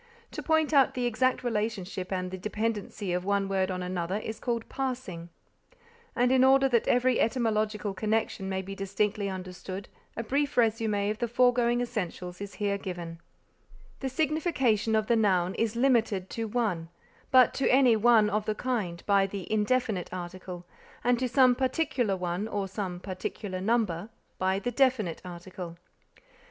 To point out the exact relationship and the dependency of one word on another is called parsing and in order that every etymological connection may be distinctly understood a brief resume of the foregoing essentials is here given: The signification of the noun is limited to one, but to any one of the kind, by the indefinite article, and to some particular one, or some particular number, by the definite article.